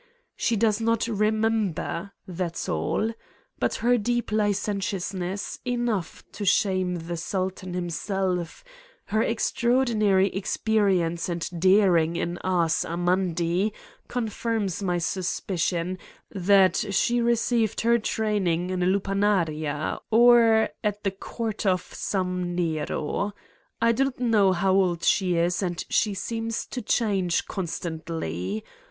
She does not ' re member.' That's all. But her deep licentious ness, enough to shame the Sultan himself, her extraordinary experience and daring in ars amandi confirms my suspicion that she received her training in a lupanaria or ... or at the court of some Nero. I do not know how old she is and she seems to change constantly.